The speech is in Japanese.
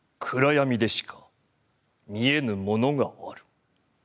「暗闇でしか見えぬものがある。